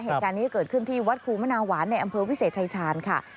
เหตุการณ์นี้เกิดขึ้นที่วัดครูมนาหวานในอำเภอวิเศษชายชาญค่ะ